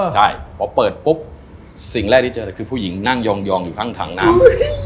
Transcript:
ใช่พอเปิดปุ๊บสิ่งแรกที่เจอคือผู้หญิงนั่งยองอยู่ข้างถังน้ำ